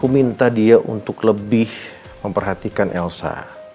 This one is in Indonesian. aku minta dia untuk lebih memperhatikan elsa